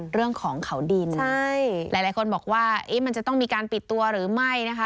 เรื่องของเขาดินใช่หลายคนบอกว่ามันจะต้องมีการปิดตัวหรือไม่นะคะ